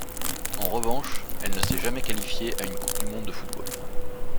En revanche, elle ne s'est jamais qualifiée à une Coupe du monde de football.